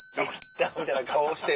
玉みたいな顔して。